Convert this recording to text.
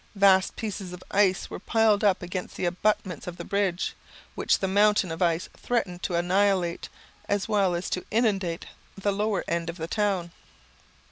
Vast pieces of ice were piled up against the abutments of the bridge, which the mountain of ice threatened to annihilate, as well as to inundate the lower end of the town.